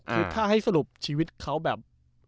คือถ้าให้สรุปชีวิตเขาแบบ